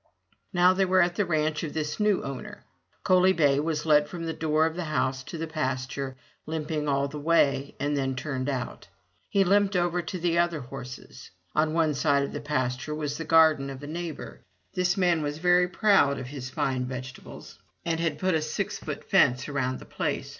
Now they were at the ranch of this new owner. Coaly bay was led from the door of the house to the pasture, limping all the way, and then turned out. He limped over to the other horses. On one side of the pasture was the garden of a neighbor. This man was very proud of his fine vegetables and had put a six foot 219 MY BOOK HOUSE fence around the place.